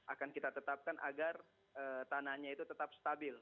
akan kita tetapkan agar tanahnya itu tetap stabil